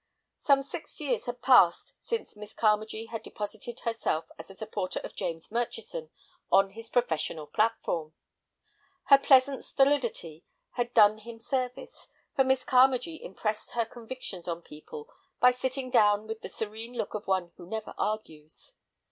Some six years had passed since Miss Carmagee had deposited herself as a supporter of James Murchison on his professional platform. Her pleasant stolidity had done him service, for Miss Carmagee impressed her convictions on people by sitting down with the serene look of one who never argues.